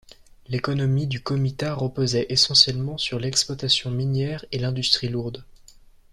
L'économie du comitat reposait essentiellement sur l'exploitation minière et l'industrie lourde.